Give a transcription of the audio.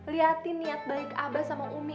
lihatin niat baik abah sama umi